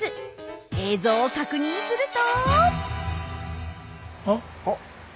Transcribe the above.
映像を確認すると。